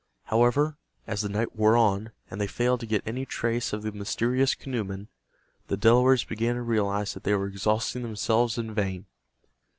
However, as the night wore on, and they failed to get any trace of the mysterious canoemen, the Delawares began to realize that they were exhausting themselves in vain.